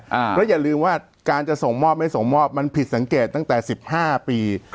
เพราะอย่าลืมว่าการจะส่งมอบไม่ส่งมอบมันผิดสังเกตตั้งแต่๑๕ปี